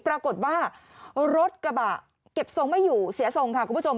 ปรากฏว่ารถกระบะเก็บทรงไม่อยู่เสียทรงค่ะคุณผู้ชม